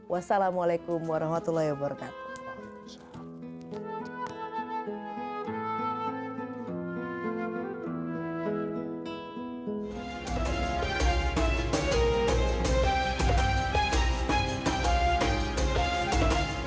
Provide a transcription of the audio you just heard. wassalamualaikum warahmatullahi wabarakatuh